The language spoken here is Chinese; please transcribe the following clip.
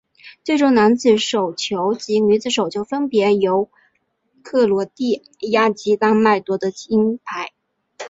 最终男子手球及女子手球分别由克罗地亚及丹麦夺得金牌。